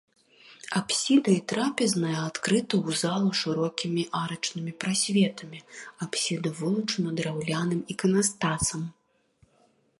Апсіда і трапезная адкрыты ў залу шырокімі арачнымі прасветамі, апсіда вылучана драўляным іканастасам.